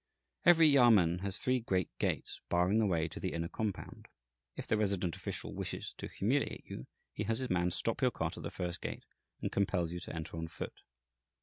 Every Yâmen has three great gates barring the way to the inner compound. If the resident official wishes to humiliate you, he has his man stop your cart at the first gate and compels you to enter on foot.